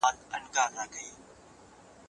صنعتي ګټې جګړه پیاوړې کوي.